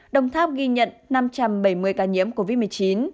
đồng tháp ghi nhận năm trăm bảy mươi ca nhiễm covid một mươi chín